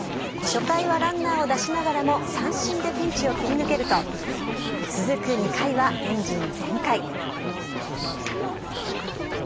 初回はランナーを出しながらも、三振でピンチを切り抜けると、続く２回はエンジン全開。